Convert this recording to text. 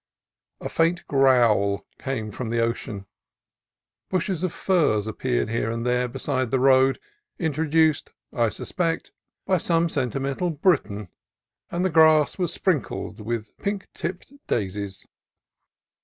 A faint growl came from the ocean. Bushes of furze appeared here and there beside the road, introduced, I sus pect, by some sentimental Briton, and the grass was sprinkled with pink tipped daisies.